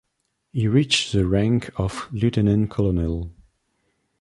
He reached the rank of Lieutenant-Colonel.